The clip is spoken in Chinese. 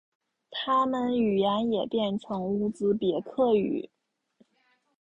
他们语言也变成乌兹别克语。